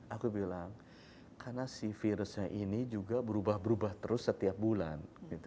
aku bilang karena si virusnya ini juga berubah berubah terus setiap bulan